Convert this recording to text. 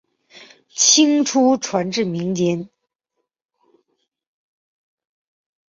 清初传至民间。